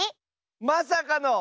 まさかの。